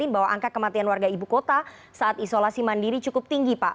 bahwa angka kematian warga ibu kota saat isolasi mandiri cukup tinggi pak